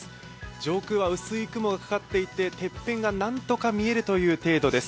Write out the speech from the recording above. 上空は薄い雲がかかっていて、てっぺんが何とか見えるという程度です。